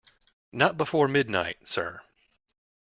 Not before midnight, sir.